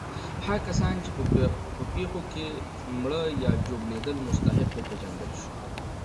هغه کسان چې په پېښو کې مړه یا ژوبلېدل مستحق وپېژندل شول.